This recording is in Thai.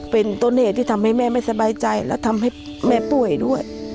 เป็นต้นเหตุที่ทำให้แม่ไม่สบายใจและทำให้แม่ป่วยด้วย